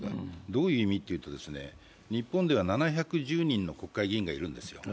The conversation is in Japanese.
どういう意味かというと日本では７１０人の国会議員がいるんですよ。